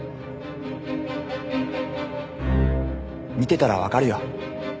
見てたらわかるよ。